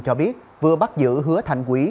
cho biết vừa bắt giữ hứa thanh quý